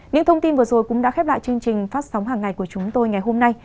những thông tin vừa rồi cũng đã khép lại chương trình phát sóng hàng ngày của chúng tôi ngày hôm nay